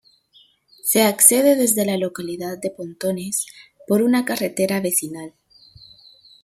Se accede desde la localidad de Pontones por una carretera vecinal.